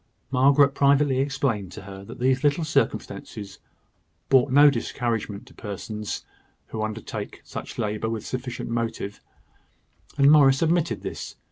Margaret privately explained to her that these little circumstances brought no discouragement to persons who undertake such labour with sufficient motive; and Morris admitted this.